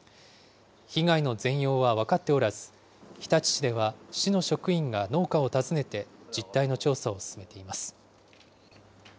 被害の全容は分かっておらず、日立市では市の職員が農家を訪ねて、実態の調査を進めています。